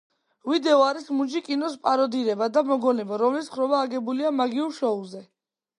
ვიდეო არის მუნჯი კინოს პაროდირება და მოგონება, რომლის თხრობა აგებულია „მაგიურ შოუზე“.